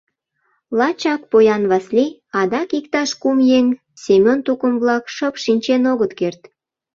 Лачак поян Васлий, адак иктаж кум еҥ — Семен тукым-влак — шып шинчен огыт керт.